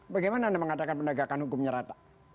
bagaimana anda mengatakan penegakan hukumnya rata